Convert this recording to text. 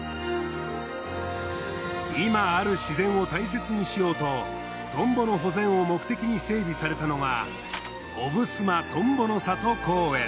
今ある自然を大切にしようとトンボの保全を目的に整備されたのが。